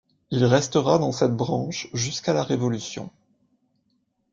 Il restera dans cette branche jusqu'à la Révolution.